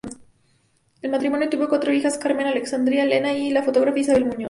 El matrimonio tuvo cuatro hijas, Carmen, Alexandra, Helena y la fotógrafa Isabel Muñoz.